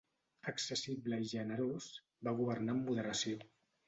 Accessible i generós, va governar amb moderació.